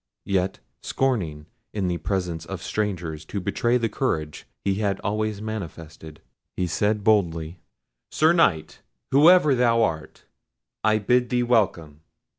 Yet scorning in the presence of strangers to betray the courage he had always manifested, he said boldly— "Sir Knight, whoever thou art, I bid thee welcome.